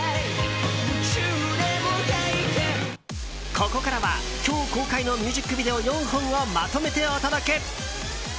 ここからは、今日公開のミュージックビデオ４本をまとめてお届け。